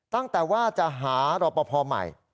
ตั้งแต่ว่าจะหารอบประพอมใหม่